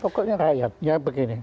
pokoknya rakyat ya begini